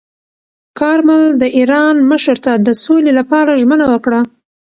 کارمل د ایران مشر ته د سولې لپاره ژمنه وکړه.